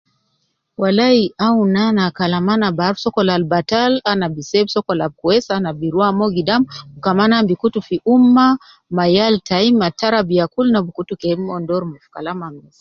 Walai awun ana kalam ana bi aruf sokol al batal ana bi seb sokol ab kwesi ana bi ruwa mo gidam, kaman ana bi kutu fi ummah ma yal tayi ma tarabiya kul na bi kutu ke mon doru ma fi kalam al